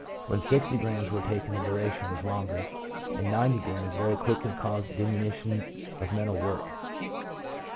When 60 grammes were taken the duration was longer, and 90 grammes very quickly caused diminution of mental work.